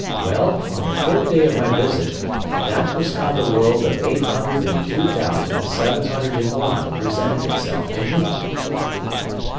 Well, on the third day of my visit, that was how the world of Eight Hundred and Two Thousand Seven Hundred and One presented itself to me!